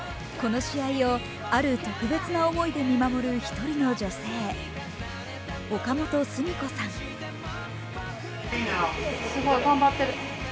この試合をある特別な思いで見守る１人の女性、岡本純子さん。